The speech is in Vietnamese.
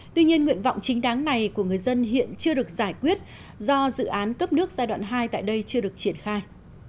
tuy nhiên nguyện vọng chính đáng này của người dân hiện chưa được giải quyết do dự án cấp nước giai đoạn hai tại đây chưa được triển khai